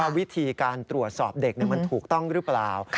วิธีการตรวจสอบเด็กมันถูกต้องหรือเปล่า